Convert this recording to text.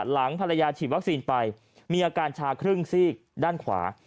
หลังภรรยาฉีดวัคซีนไปมีอาการชาครึ่งซีกด้านขวา